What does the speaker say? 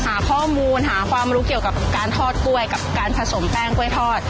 หาข้อมูลหาความรู้เกี่ยวกับการทอดกล้วยกับการผสมแป้งกล้วยทอด